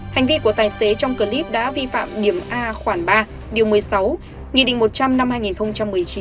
hành vi của tài xế trong clip đã vi phạm điểm a khoảng ba điều một mươi sáu nghị định một trăm linh năm hai nghìn một mươi chín